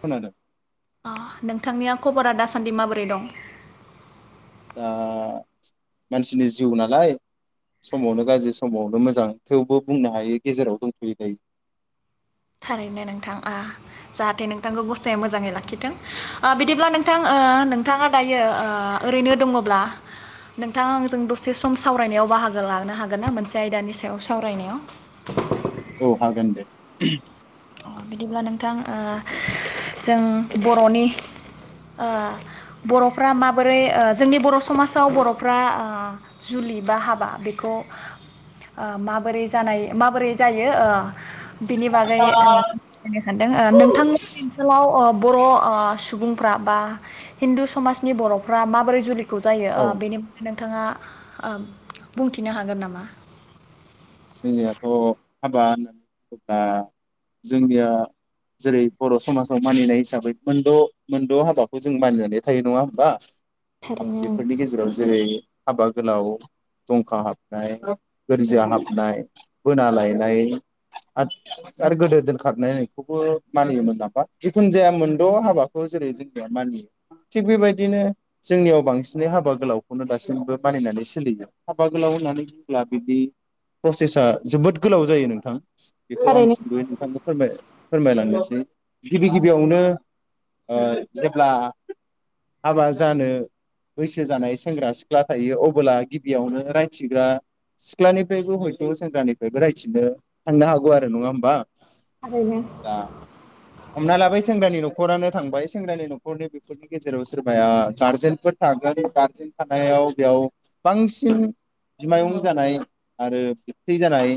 खोनादों नोंथांनिया खबरा दासान्दि माबोरै दं? दा मानसिनि जिउ नालाय समावनो गाज्रि समावनो मोजां थेवबो बुंनो हायो गेजेराव दंथयो थारैनो नोंथां आ जाहाथे नोंथांखौ गसाया मोजांङै लाखिथों ओ बिदिब्ला नोंथां नोंथाङा दायो ओ ओरैनो दंङब्ला नोंथांङा आंजों दसे सम सावरायनायाव बाहागो लानो हागोन ना मोनसे आयदानि सायाव सावरायनायाव औ हागोन दे बिदिब्ला नोंथां ओ जों बरनि ओ बरफ्रा माबोरै ओ जोंनि बर समाजाव बरफ्रा जुलि बा हाबा बेखौ माबोरै जानाय माबोरै जायो ओ बिनि बागै ओ सानदों नोंथांमोननि ओनसोलाव ओ बर ओ सुबुंफ्रा बा हिन्दु समाजनि बरफ्रा माबोरै जुलि खौ जायो ओ औ बेनि अन नोंथांङा ओ बुंथिनो हागोन नामा? जोंनियाथ हाबा ओ जोंनिया जेरै बर समाजाव मानिनाय हिसाबै मोनद मोनद हाबाखौ जों मानिनानै थायो नंङा होनबा थारैनो बेफोरनि गेजेराव जेरै हाबा गोलाव दंखा हाबनाय गोरजिया हाब नाय बोना लायनाय आरो आरो गोदो दोनखारनायनायखौबो मानियोमोन नाबा जिखुन जाया मोनद हाबाखौ जेरै जोंनियाव मानियो थिग बेबायदिनो जोंनियाव बांसिनै हाबा गोलावखौनो दासिमबो मानिनानै सोलियो हाबा गोलाव होननानै बुंङोब्ला बिदि प्रसेसा जोबोद गोलाव जायो नोंथां बेखौ आं थारैनो सिन्दुयै नोंथांनो फोरमाय फोरमायलांनोसै गिबि गिबियावनो ओ‌ जेब्ला हाबा जानो बैसो जानाय सेंग्रा सिख्ला थायो अब्ला गिबियावनो रायथिग्रा सिख्लानिफ्रायबो सेंग्रानिफ्रायबो रायथिनो थांनो हागौ आरो नंङा होनबा थारैनो दा हमना लाबाय सेंग्रानि नखरानो थांबाय सेंग्रानि नखरनि बेफोरनि गेजेराव सोरबाया गारजेनफोर थागोन गारजेन थानायाव बेयाव बांसिन बिमायं जानाय आरो थै जानाय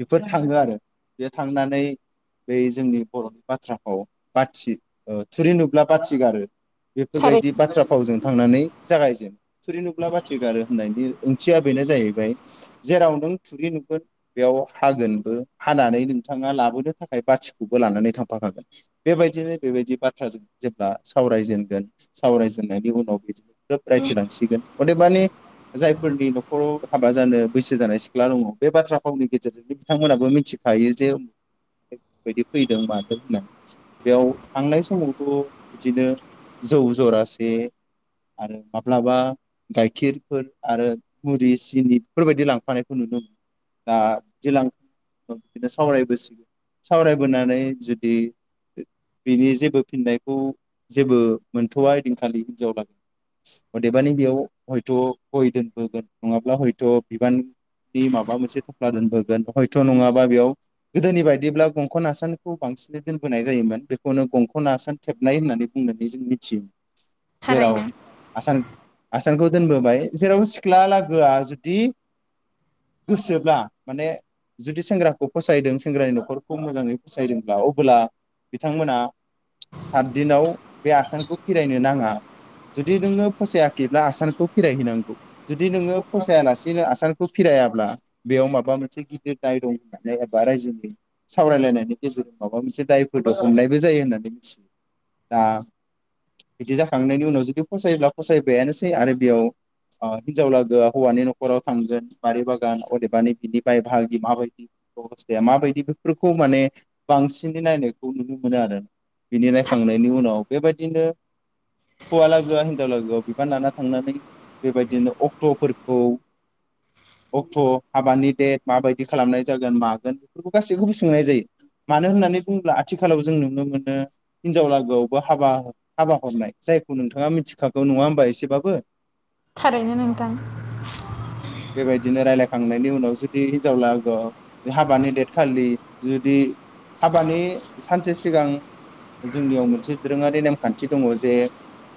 बेफोर थांङो आरो बे थांनानै बै जोंनि बरनि बाथ्राखौ बाथि थुरि नुब्ला बाथिगारो बेफोरबायदि थारैनो बाथ्रा फावजों थांनानै जागायजेन थुरि नुब्ला बाथि गारो होननायनि ओंथिया बेनो जाहैबाय जेराव नों थुरि नुगोन बेयाव हागोनबो हानानै नोंथांङा लाबोनो थाखाय बाथिखौबो लानानै थांफाखागोन बेबायदिनो बेबायदि बाथ्राजों जेब्ला सावरायजेनगोन सावरायजेननायनि उनाव बिदिनो ग्रोब रायथिलांसिगोन अदेबानि जायफोरनि नखराव हाबा जानो बैसो जानाय सि सिख्ला दंङ' बे बाथ्रा फावनि गेजेरजोंनो बिथांमोनाबो मिथिखायो [unintelligible] फैदों मादों होननानै बेयाव थांनाय समावथ 'बिदिनो जौ जरासे आरो माब्लाबा गाइखेरफोर आरो मुरि सिनि बेफोरबायदि लांफानाय खौ नुनो दा जेला बिदिनो सावरायबोसिगोन सावरायबोनानै जुदि बिनि जेबो फिननायखौ जेबो मोनथ'वा ओइदिनखालि हिनजाव लागोआ अदेबानि बेयाव हयथ' गय दोनबोगोन नङाब्ला हयथ' बिबान नि माबा मोनसे थफ्ला दोनबोगोन हयथ' नंङाबा बेयाव गोदोनि बायदिब्ला गंखन आसानखौ बांसिनै दोनबोनाय जायोमोन बेखौनो गंखन आसान थेबनाय होननानै बुंनानै जों मिथियो। जेराव थारैनो आसान आसानखौ दोनबोबाय जेराव सिख्ला लागोआ जुदि गोसोब्ला माने जुदि सेंग्राखौ फसायदों सेंग्रानि नखरखौ मोजांङै फसायदोंब्ला अब्ला बिथांमोना सातदिनाव बे आसानखौ फिरायनो नांङा जुदि नोंङो फसायाखैब्ला आसानखौ फिरायहैनांगौ जुदि नोंङो फसायालासेनो आसान खौ फिरायाब्ला बेयाव माबा मोनसे गिदिर दाय दं होननानै एबा रायजोनि सावरायलायनायनि गेजेरजों माबा मोनसे दायफोरफोरखौ हमनायबो जायो होननानै मिथियो दा बिदि जाखांनायनि उनाव जुदि फसायोब्ला फसायबायानोसै आरो बेयाव ओ हिनजाव लोगोआ हौवानि नखराव थांगोन बारि बागान अदेबानि बिनि बाइ बाहागि माबायदि बेब'स्थाया माबायदि बेफोरखौ माने बांसिनै नायनायखौ नुनो मोनो आरो। बिनि नायखांनायनि उनाव बेबायद बिदिनो हौवा लोगोआ हिनजाव लोगोआव बिबान लाना थांनानै बेबायदिनो अक्टफोरखौ अक्ट' हाबानि डेट माबायदि खालामनाय जागोन मागोन बेफोरखौ गासैखौबो सोंनाय जायो मानो होननानै बुङोब्ला आथिखालाव जों नुनो मोनो हिनजाव लागोआवबो हाबा हाबा हरनाय जायखौ नोंथाङा मिथिखागौ नङा होमबा एसेबाबो? थारैनो नोंथां। बेबायदिनो रायलायखांनायनि उनाव जुदि हिनजाव लागोआ हाबानि डेट खालि जुदि हाबानि सानसे सिगां जोंनियाव मोनसे दोरोङारि नेमखान्थि दङ' जे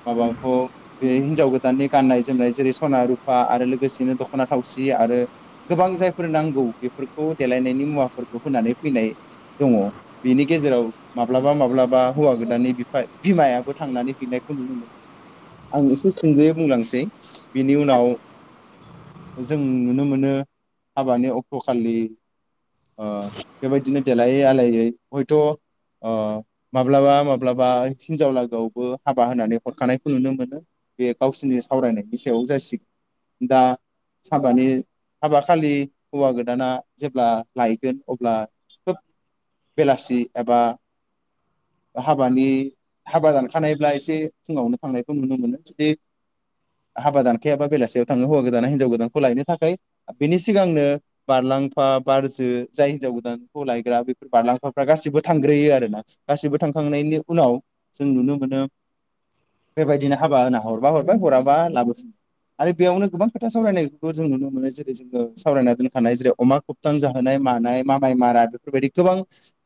माबाखौ बे हिनजाव गोदाननि गाननाय जोमनाय जेरै सना रुफा आरो लोगोसेनो दख दखना थावसि आरो गोबां जायफोर नांगौ बेफोरखौ देलायनायनि मुवाफोरखौ होनानै फैनाय दङ' बेनि गेजेराव माब्लाबा माब्लाबा हौवा गोदान बिफा बिमायाबो थांनानै हैनायखौ नुनो मोनो आं एसे सुंदयै बुंलांसै बिनि उनाव जों नुनो मोनो हाबानि अक्ट'खालि ओ बेबायदिनो देलायै आलायै हयथ' ओ माब्लाबा माब्लाबा हिनजाव लागोआवबो हाबा होनानै हरखानायखौ नुनो मोनो बे गावसोरनि सावरायनायनि सायाव जासिगोन दा हाबानि हाबाखालि हौवा गोदाना जेब्ला लायगोन अब्ला खोब बेलासि एबा हाबानि हाबा दानखानायब्ला एसे फुङावनो थांनायखौ नुनो मोनो जुदि हाबा दानखायाबा बेलासियाव थाङो हौवा गोद दाना हिनजाव गोदानखौ लायनो थाखाय बेनि सिगांनो बारलांफा बारजो जाय हिनजाव गोदानखौ लायग्रा बेफोर बारलांफाफ्रा गासिबो थांग्रोयो आरोना गासिबो थांखांनायनि उनाव जों नुनो मोनो बेबायदिनो हाबा होना हरबा हरबाय हराबा लाबोफिनबाय आरो बेयावनो गोबां खोथा सावरायनायखौ जों नुनो मोनो जेरै जोङो सावरायना दोनखानाय जेरै अमा खबथां जाहोनाय मानाय मामाइ मारा बेफोरबायदि गोबां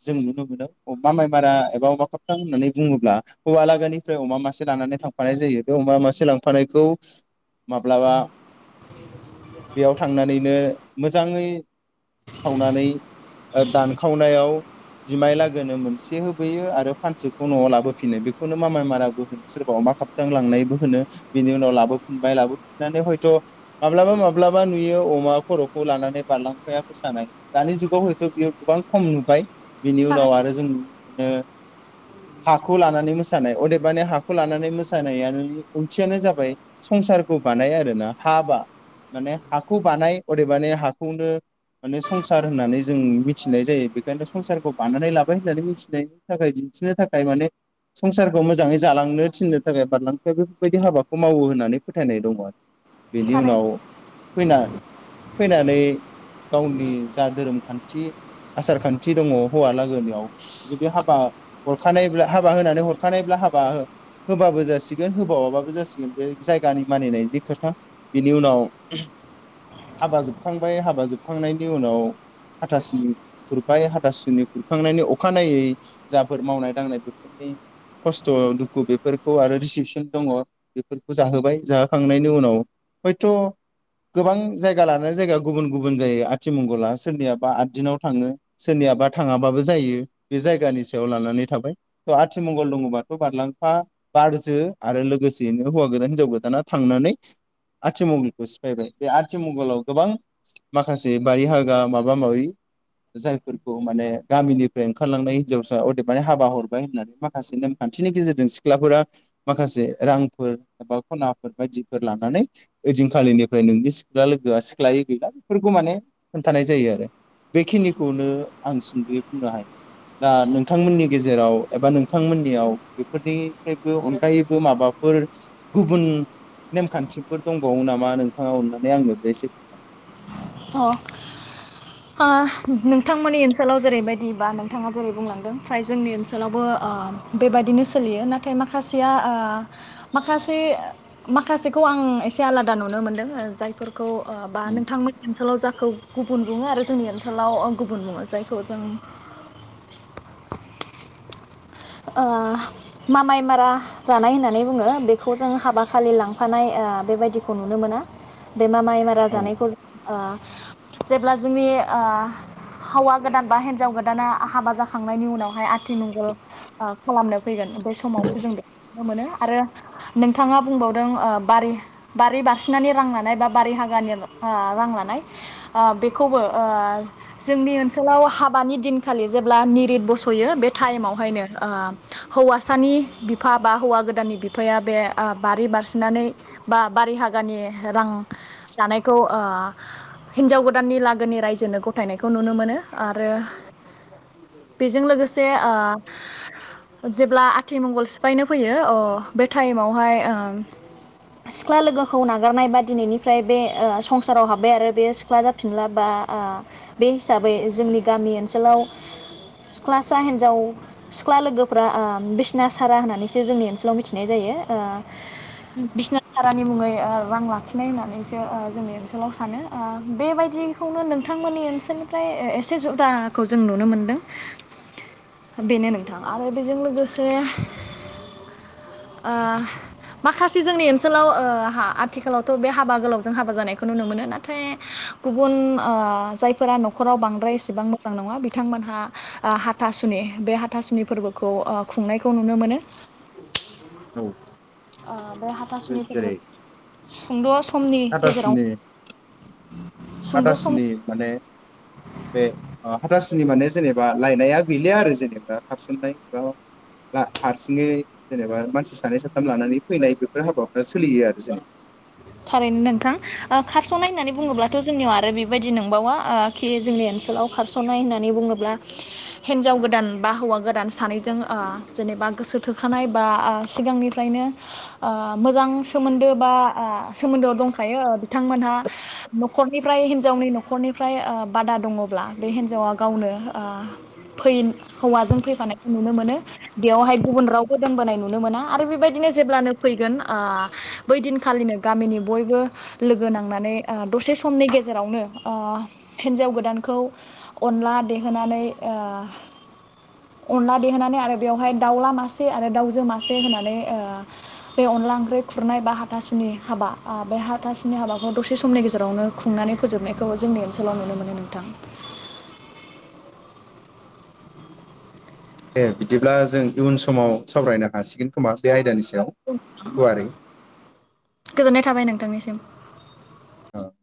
जों नुनो मोनो मामाय मारा एबा अमा खबथां होननानै बुङोब्ला हौवालागानिफ्राय अमा मासे लानानै थांफानाय जायो बे अमा मासे लांफानायखौ माब्लाबा [unintelligible] बेयाव थांनानैनो मोजाङै सावनानै ओ दानखावनायाव बिमाय लागोनो मोनसे होबोयो आरो फानसेखौ न'आव लाबोफिनो बेखौनो मामाय माराबो होनो सोरबा अमा खाबथां लांनायबो होनो बेनि उनाव लाबोफिनबाय लाबोफिननानै हयथ' माब्लाबा माब्लाबा नुयो अमा खर'खौ लानानै बारलांफाया मोसानाय दानि जुगाव हयथ' बियो गोबां खम नुबाय। बिनि उनाव आरो जों ओ हाखौ लानानै मोसानाय अदेबानि हाखौ लानानै मोसानायानो ओंथियानो जाबाय संसारखौ बानाय आरो ना। हाबा माने हाखौ बानाय अदेबानि हाखौनो माने संसार होननानै जों मिथिनाय जायो बेखायनोनो संसारखौ बानानै लाबाय होननानै मिथिनायनि थाखाय दिन्थिनो थाखाय माने संसारखौ मोजाङै जालांनो थिननो थाखाय बारलांफा बेफोरबायदि हाबाखौ मावो होननानै फोथायनाय दङ आरो। बिनि उनाव थारैनो फैना फैनानै गावनि जा धोरोम खान्थि थि आसार खान्थि दङ' हौवा लागोनायाव जुदि हाबा हरखानायब्ला हाबा होनानै हरखानायब्ला हाबा हो होबाबो जासिगोन होबावाबाबो जासिगोन बे जायगानि मानिनायनि खोथा। बिनि उनाव [unintelligible] हाबा जोबखांबाय हाबा जोबखांनायनि उनाव हाथासुनि खुरबाय हाथासुनि खुरखांनायनि अखानायै जाफोर मावनाय दांनाय बेफोरनि खस्थ' दुखु बेफोरखौ आरो रिसिपसन दङ बेफोरखौ जाहोबाय जाहोखांनायनि उनाव हयथ' गोबां जायगा लानानै जायगा गुबुन गुबुन जायो आथिमंगला सोरनियाबा आद दिनाव थाङो सोरनियाबा थाङाबाबो जायो बे जायगानि सायाव लानानै थाबाय थ' आथिमंगल दङबाथ' बारलांफा बारजो आरो लोगोसेयैनो हौवा गोदान हिनजाव गोदाना थांनानै आथिमंगलखौ सिफायबाय बे आथिमंगलाव गोबां माखासे बारि हागा माबा माबि जायफोरखौ माने गामिनिफ्राय ओंखारलांनाय हिनजावसा अदेबानानै हाबा हरबाय होननानै माखासे नेमखान्थिनि गेजेरजों सिख्लाफोरा माखासे रांफोर एबा खनाफोर बायदिफोर लानानै ओइदिनखालिनिफ्राय नोंनि सिख्ला लोगोआ सिख्लायै गैला बेफोरखौ माने खोन्थानाय जायो आरो बेखिनिखौनो आं सुंद'यै बुंनो हायो दा नोंथांमोननि गेजेराव एबा नोंथांमोननियाव बेफोरनिफ्रायबो अनगायैबो माबाफोर गुबुन नेमखान्थिफोर दंबावो नामा नोंथाङा अननानै आंनो बे एसे खोन्था अ अ नोंथांमोननि ओनसोलाव जेरैबायदि बा नोंथाङा जेरै बुंलांदों फ्राय जोंनि ओनसोलावबो ओ बेबायदिनो सोलियो नाथाय माखासेया ओ माखासे माखासेखौ आं एसे आलादा नुनो मोनदों आरो जायफोरखौ खौ बा नोंथांमोन ओनसोलाव जाखौ गुबुन बुङो आरो जोंनि ओनसोलाव गुबुन बुङो जायखौ जों ओ मामाय मारा जानाय होननानै बुङो बेखौ जों हाबा खालि लांफानाय ओ बेबायदिखौ नुनो मोना। बे मामाइ मारा औ जानायखौ जों ओ जेब्ला जोंनि ओ हौवा गोदान बा हिन्जाव गोदाना हाबा जाखांनायनि उनावहाय आथिमंगल। खालामनो फैगोन बे समावसो जों बे नुनो मोनो आरो नोंथाङा बुंबावदों ओ बारि बारि-बारसिनानि रां लानाय बा बारि हागानि रां लानाय ओ बेखौबो ओ जोंनि ओनसोलाव हाबानि दिनखालि जेब्ला निरिद बस'यो बे टाइमावहायनो। हौवासानि बिफा बा हौवा गोदाननि बिफाया बे ओ बारि बारसिनानै बा बारि हागानि रां दानायखौ ओ हिन्जाव गोदाननि लागोनि रायजोनो गथायनायखौ नुनो मोनो आरो बेजों लोगोसे ओ जेब्ला आथिमंगल। फायनो फैयो अ बे टाइमावहाय ओ सिख्ला लोगोखौ नागारनाय बा दिनैनिफ्राय बे ओ संसाराव हाबबाय आरो बे सिख्ला जाफिनला बा ओ बे हिसाबै जोंनि गामि ओनसोलाव सिख्लासा हिनजाव सिख्ला लोगोफ्रा ओ बिसना सारा होननानैसो जोंनि ओनसोलाव मिथिनाय जायो ओ बिसना सारानि मुङै ओ रां लाखिनाय होननानैसो ओ जोंनि ओनसोलाव सानो ओ बेबायदिखौनो नोंथांमोननि ओनसोलनिफ्राय एसे जुदाखौ जों नुनो मोनदों बेनो थां आरो बेजों लोगोसे ओ माखासे जोंनि ओनसोलाव ओ आथिखालावथ' बे हाबा गोलावजों हाबा जानायखौ नुनो मोनो। थाय गुबुन ओ जाय [unintelligible] खराव बांद्राय एसेबां मोजां नङा बि थांमोनहा ओ हाथा सुनि बे हा थासुनि फोरबोखौ ओ खुंनाय खौ नुनो मोनो। औ। ओ बे हाथासुनिफोर जेरै सुंद'। समनि गेजेराव। हाथासुनि सुंद' सम हाथासुनि माने बे ओ हाथास जोंनि माने जेनेबा लायनाया गैलिया आरो जेनेबा खारसननाय बा हारसिङै जेनेबा मानसि सानै साथाम लानानै फैनाय बेफोर हाबाफ्रा सोलियो आरो जे थारैनो नोंथां ओ खारस'नाय होननानै बुङोब्लाथ' जोंनियाव आरो बेबायदि नंबावा खि जोंनि ओनसोलाव खारस'नाय होननानै बुङोब्ला हिन्जाव गोदान बा हौवा गोदान सानैजों ओ जेनेबा गोसो थोखानाय बा ओ सिगांनिफ्रायनो ओ मोजां सोमोन्दो बा ओ सोमोन्दोआव दंखायो बिथांमोनहा न'खरनिफ्राय हिनजावनि न'खरनिफ्राय ओ बादा दङब्ला बे हिनजावा गावनो ओ फै हौवाजों फैफानायखौ नुनो मोनो बेयावहाय गुबुन रावबो दोनबोनाय नुनो मोना आरो बेबायदिनो जेब्लानो फैगोन ओ बै दिनखालिनो। गामिनि बयबो लोगो नांनानै ओ दसे समनि गेजेरावनो ओ हिन्जाव गोदानखौ अनला देहोनानै ओ अनला देहोनानै आरो बेवहाय दाउला मासे आरो दाउजो मासे होनानै ओ बे अनला ओंख्रि खुरनाय बा हाथासुनि हाबा ओ बे हाथासिनि हाबाखौ दसे समनि गेजेरावनो खुंनानै फोजोबनायखौ जोंनि ओनसोलाव नुनो मोनो नोंथां। एह बिदिब्ला जों इयुन समाव सावरायनो हासिगोन खोमा बे आयदानिसिम। [unintelligible] गोजोननाय थाबाय नोंथांनिसिम। [unintelligible]